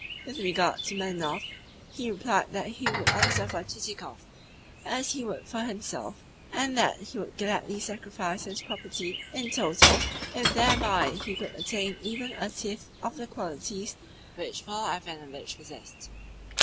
With regard to Manilov, he replied that he would answer for Chichikov as he would for himself, and that he would gladly sacrifice his property in toto if thereby he could attain even a tithe of the qualities which Paul Ivanovitch possessed.